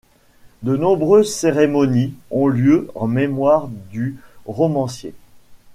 De nombreuses cérémonies ont lieu en mémoire du romancier.